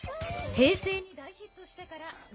平成に大ヒットしてから２７年。